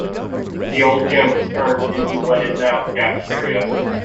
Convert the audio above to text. The old gym was turned into what is now the cafeteria.